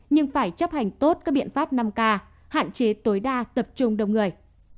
nhưng phải chấp hành tốt các biện pháp năm k hạn chế tối đa tập trung đông người